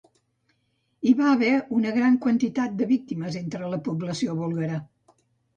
Hi va haver una gran quantitat de víctimes entre la població búlgara.